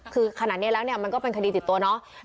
คือขนาดนี้แล้วเนี่ยมันก็เป็นคดีติดตัวเนาะ